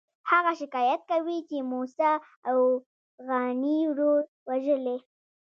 هغه شکایت کوي چې موسی اوغاني ورور وژلی.